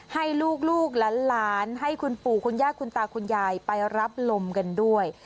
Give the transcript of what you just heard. ให้ลูกหลานให้คุณปู่คุณย่าคุณตาคุณยายไปรับลมกันด้วย